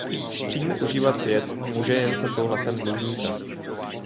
Přímo užívat věc může jen se souhlasem dlužníka.